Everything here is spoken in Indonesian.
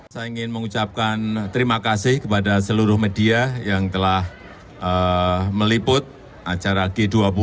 saya ingin mengucapkan terima kasih kepada seluruh media yang telah meliput acara g dua puluh